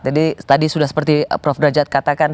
jadi tadi sudah seperti prof derajat katakan